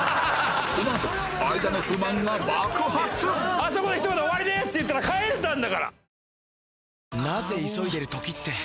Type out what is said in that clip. あそこでひと言「終わりです」って言ったら帰れたんだから！